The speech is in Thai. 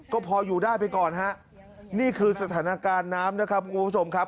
ก็พออยู่ได้ไปก่อนฮะนี่คือสถานการณ์น้ำนะครับคุณผู้ชมครับ